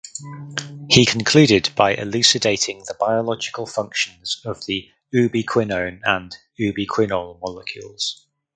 He concluded by elucidating the biological functions of the ubiquinone and ubiquinol molecules.